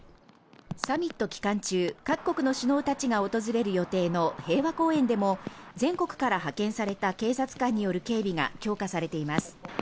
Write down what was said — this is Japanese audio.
サミット期間中、各国の首脳たちが訪れる予定の平和公園でも全国から派遣された警察官による警備が強化されています。